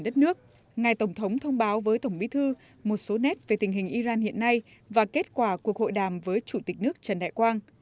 trong cuộc phát triển đất nước ngài tổng thống thông báo với tổng bí thư một số nét về tình hình iran hiện nay và kết quả cuộc hội đàm với chủ tịch nước trần đại quang